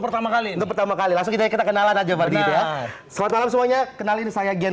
pertama kali pertama kali langsung kita kenalan aja pada saat saat semuanya kenalin saya gen